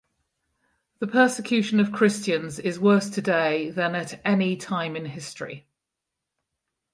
The persecution of Christians is worse today "than at any time in history".